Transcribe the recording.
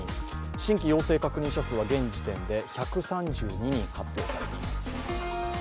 新規陽性確認者数は現時点で１３２人発表されています。